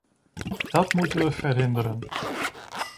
Dat moeten we verhinderen.